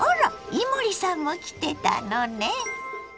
伊守さんも来てたのね。